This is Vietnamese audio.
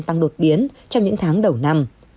tăng đột biến trong những tháng đầu năm